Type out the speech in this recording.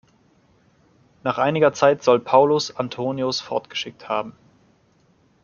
Nach einiger Zeit soll Paulus Antonius fortgeschickt haben.